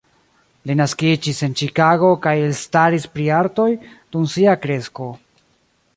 Li naskiĝis en Ĉikago kaj elstaris pri artoj, dum sia kresko.